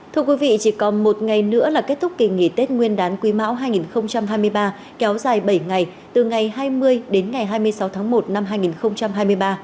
thưa quý vị chỉ còn một ngày nữa là kết thúc kỳ nghỉ tết nguyên đán quý mão hai nghìn hai mươi ba kéo dài bảy ngày từ ngày hai mươi đến ngày hai mươi sáu tháng một năm hai nghìn hai mươi ba